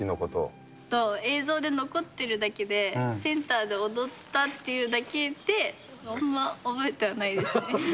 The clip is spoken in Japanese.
映像で残っているだけでセンターで踊ったっていうだけであんまり覚えてはないですね。